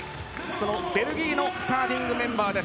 そのベルギーのスターティングメンバー。